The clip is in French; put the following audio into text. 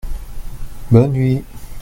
Bonne nuit !